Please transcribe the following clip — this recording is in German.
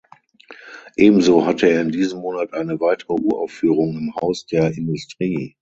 Ebenso hatte er in diesem Monat eine weitere Uraufführung im Haus der Industrie.